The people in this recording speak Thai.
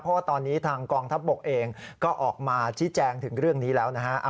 เพราะว่าตอนนี้ทางกองทัพบกเองก็ออกมาชี้แจงถึงเรื่องนี้แล้วนะฮะ